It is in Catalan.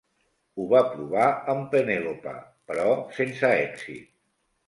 Ho va provar amb Penèlope, però sense èxit.